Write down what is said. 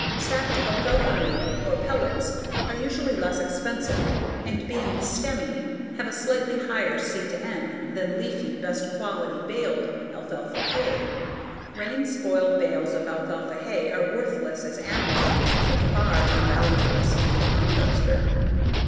Sacked alfalfa meal or pellets are usually less expensive (and being "stemmy," have a slightly higher C/N) than leafy, best quality baled alfalfa hay. Rain spoiled bales of alfalfa hay are worthless as animal feed but far from valueless to the composter.